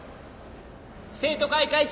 生徒会会長